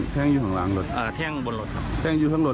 แท่งอยู่ข้างหลังรถเลยเหมือนกันหรือเปล่า